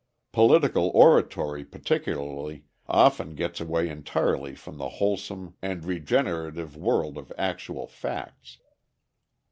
Political oratory, particularly, often gets away entirely from the wholesome and regenerative world of actual facts.